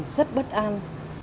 rất bất an